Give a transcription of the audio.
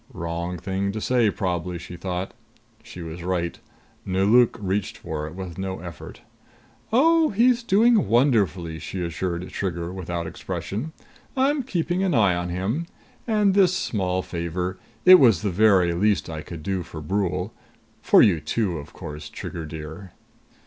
Wrong thing to say, probably, she thought. She was right. Nelauk reached for it with no effort. "Oh, he's doing wonderfully!" she assured Trigger without expression. "I'm keeping an eye on him. And this small favor it was the very least I could do for Brule. For you, too, of course, Trigger dear."